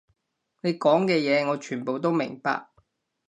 你講嘅嘢，我全部都明白